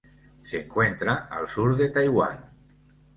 Se encuentra al sur de Taiwán.